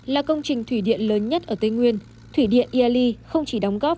là công trình thủy điện lớn nhất ở tây nguyên thủy điện iali không chỉ đóng góp